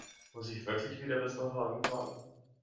Muss ich wirklich wieder bis nach Hagen fahren?